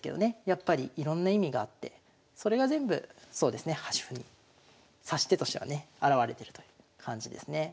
やっぱりいろんな意味があってそれが全部そうですね端歩に指し手としてはね表れてるという感じですね。